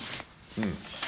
うん。